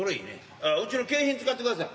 ああうちの景品使ってください。